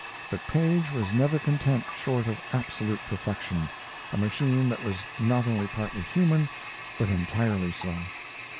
But Paige was never content short of absolute perfection a machine that was not only partly human, but entirely so.